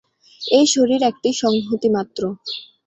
এই শরীর একটি সংহতি মাত্র।